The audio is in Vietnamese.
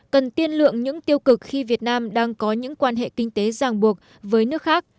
cần tiên lượng những tiêu cực khi việt nam đang có những quan hệ kinh tế ràng buộc với nước khác